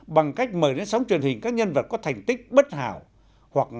bằng cách mời đến sóng truyền hình các nhân vật có thành tích bất hảo hoặc